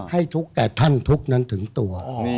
ให้ทุกแก่ท่านทุกข์นั้นถึงตัว